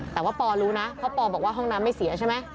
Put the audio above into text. แต่ว่าปอรู้นะเพราะปอบอกว่าห้องน้ำไม่เสียใช่ไหม